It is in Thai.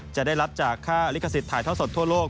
จะได้รับจากค่าลิขสิทธิ์ถ่ายท่อสดทั่วโลก